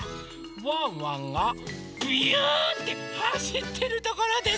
ワンワンがびゅってはしってるところです！